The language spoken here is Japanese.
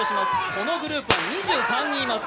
このグループは２３人います。